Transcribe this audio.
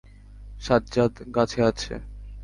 সাজ্জাদ গাছে আছে।